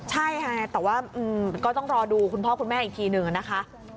ใช่ค่ะแต่ว่าก็ต้องรอดูคุณพ่อคุณแม่อีกทีหนึ่งนะคะ